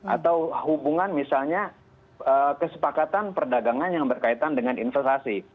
atau hubungan misalnya kesepakatan perdagangan yang berkaitan dengan investasi